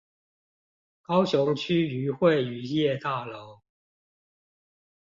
高雄區漁會漁業大樓